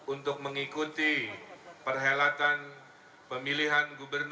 untuk mengikuti perhelatan pemilihan gubernur